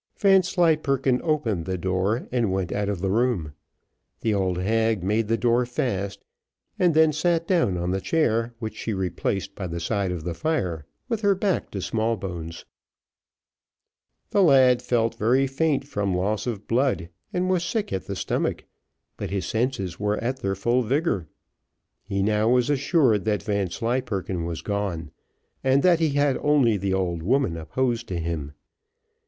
Vanslyperken opened the door, and went out of the room; the old hag made the door fast, and then sat down on the chair, which she replaced by the side of the fire with her back to Smallbones. The lad felt very faint from loss of blood, and was sick at the stomach, but his senses were in their full vigour. He now was assured that Vanslyperken was gone, and that he had only the old woman opposed to him.